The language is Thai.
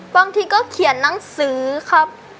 บางทีก็เขียนหนังสือครับ